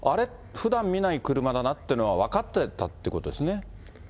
ふだん見ない車だなっていうのは分かってたっていうことですね。